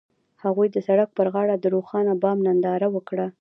هغوی د سړک پر غاړه د روښانه بام ننداره وکړه.